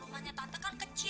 rumahnya tante kan kecil